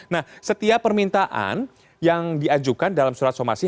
nah setiap permintaan yang diajukan dalam surat somasi